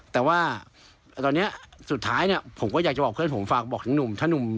แต่ว่าตอนนี้สุดท้ายผมก็อยากจะบอกเพื่อนผมฝากบอกทั้งหนุ่ม